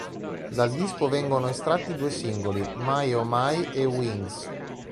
Dal disco vengono estratti due singoli, "My Oh My" e "Wings".